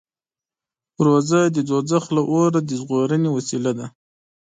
روژه د دوزخ له اوره د ژغورنې وسیله ده.